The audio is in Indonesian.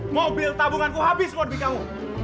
mobil tabunganku habis buat bikamu